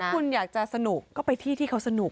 คุณอยากจะสนุกก็ไปที่ที่เขาสนุก